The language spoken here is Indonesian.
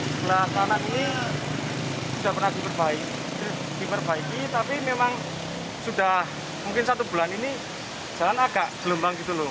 sebelah kanan ini sudah pernah diperbaiki tapi memang sudah mungkin satu bulan ini jalan agak gelombang gitu loh